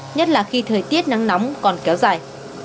nhất là khi thời tiết nắng nóng còn kéo dài